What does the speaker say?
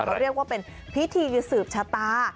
เขาเรียกว่าเป็นพิธีสืบชะตา